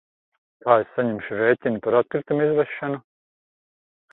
Kā es saņemšu rēķinu par atkritumu izvešanu?